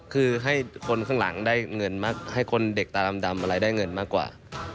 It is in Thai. คือให้คนข้างหลังได้เงินมากให้คนเด็กตาดำอะไรได้เงินมากกว่า